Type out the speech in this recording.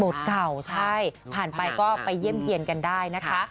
เก่าใช่ผ่านไปก็ไปเยี่ยมเยี่เทียนกันได้นะคะ